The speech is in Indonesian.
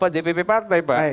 dpp partai pak